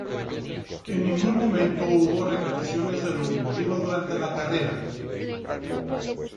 En ningún momento hubo repeticiones de lo ocurrido durante la carrera.